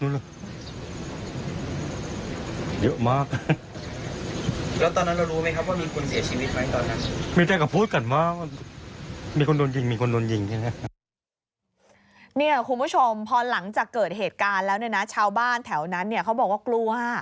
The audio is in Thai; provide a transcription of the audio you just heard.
คุณผู้ชมพอหลังจากเกิดเหตุการณ์แล้วเนี่ยนะชาวบ้านแถวนั้นเนี่ยเขาบอกว่ากลัว